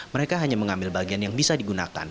mereka hanya mengambil bagian yang bisa digunakan